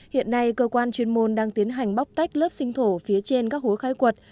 hiện nay cơ quan chuyên môn đang tiến hành bóc tách lớp sinh thổ phía trên các hố khai quật